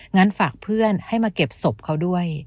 งั้นฝากเพื่อนให้มาเก็บศพเขาด้วย